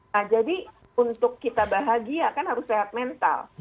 nah jadi untuk kita bahagia kan harus sehat mental